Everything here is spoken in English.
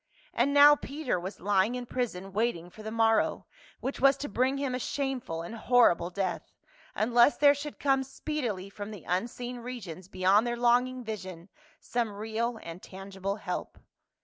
And now Peter was lying in prison waiting for the morrow which was to bring him a shameful and horrible death, unless there should come speedily from the unseen regions beyond their longing vision some real and tangible help.